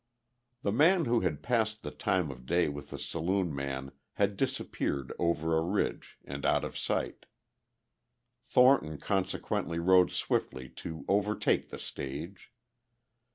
The man who had passed the time of day with the saloon man had disappeared over a ridge and out of sight; Thornton consequently rode swiftly to overtake the stage.